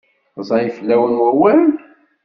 Ẓẓay fell-awen wawal?